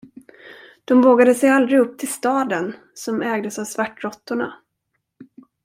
De vågade sig aldrig upp till staden, som ägdes av svartråttorna.